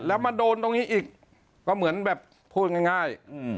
แล้วมาโดนตรงนี้อีกก็เหมือนแบบพูดง่าย